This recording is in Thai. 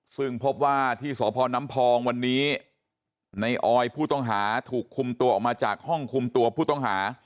ซึ่งพบว่าที่สพน้ำพองวันนี้ในออยผู้ต้องหาถูกคุมตัวออกมาจากห้องคุมตัวผู้ต้องหา